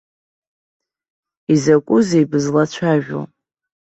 Изакәызеи бызлацәажәо?